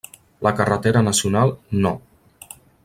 La carretera nacional No.